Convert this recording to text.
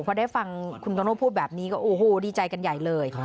พอได้ฟังคุณโตโน่พูดแบบนี้ก็โอ้โหดีใจกันใหญ่เลย